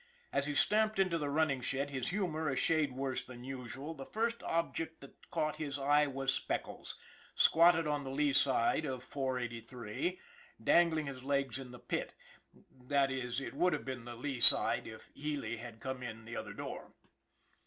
As he stamped into the running shed his humor a shade worse than usual the first object that caught his eye was Speckles, squatted on the lee side of 483, dangling his legs in the pit. 308 SPECKLES 309 That is, it would have been the lee side if Healy had come in the other door.